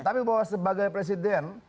tapi bahwa sebagai presiden